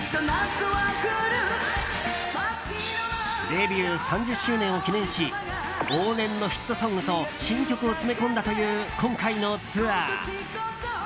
デビュー３０周年を記念し往年のヒットソングと新曲を詰め込んだという今回のツアー。